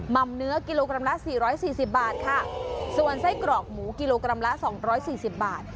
่ำเนื้อกิโลกรัมละสี่ร้อยสี่สิบบาทค่ะส่วนไส้กรอกหมูกิโลกรัมละสองร้อยสี่สิบบาท